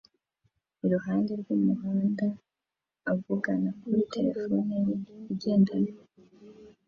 iruhande rwumuhanda avugana kuri terefone ye igendanwa